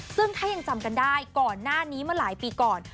ซึ่งถ้ายังจำกันได้ก่อนหน้านี้มาหลายปีก่อน